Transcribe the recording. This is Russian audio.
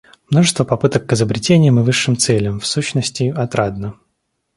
Множество попыток к изобретениям и высшим целям, в сущности, отрадно.